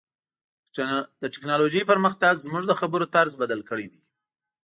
د ټکنالوژۍ پرمختګ زموږ د خبرو طرز بدل کړی دی.